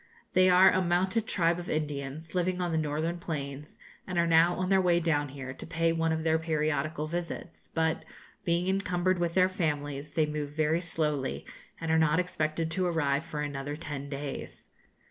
They are a mounted tribe of Indians, living on the northern plains, and are now on their way down here, to pay one of their periodical visits; but, being encumbered with their families, they move very slowly, and are not expected to arrive for another ten days.